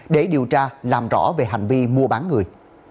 để điều tra làm rõ về hành vi mua bán người